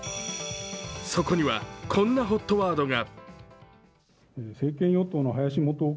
そこには、こんなＨＯＴワードが。